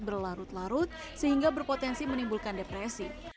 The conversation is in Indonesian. berlarut larut sehingga berpotensi menimbulkan depresi